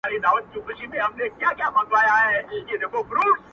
نوې لار نوی قانون سي نوي نوي بیرغونه -